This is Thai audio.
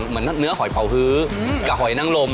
เหมือนเนื้อหอยเผ่าฮื้อกับหอยนังลม